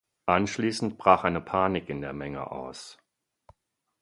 Anschließend brach eine Panik in der Menge aus.